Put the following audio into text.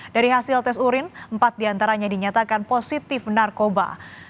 dari hasil tes urin empat diantaranya dinyatakan positif narkoba